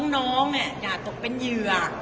น้องอย่าตกเป็นเหยื่อ